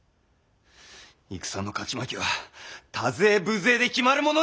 戦の勝ち負けは多勢無勢で決まるものではない！